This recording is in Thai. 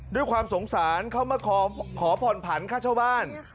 ด้วยความสงสารเข้ามาขอผ่อนผันค่าเช่าบ้าน